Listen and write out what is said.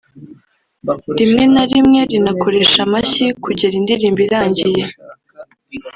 Rimwe na rimwe rikanakoresha amashyi kugera indirimbo irangiye